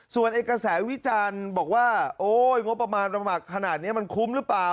ส่วนเอกสารวิจารณ์บอกว่าโอ้ยงบประมาณขนาดนี้มันคุ้มหรือเปล่า